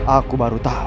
aku baru tahu